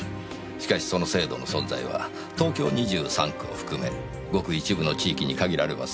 しかしその制度の存在は東京２３区を含めごく一部の地域に限られます。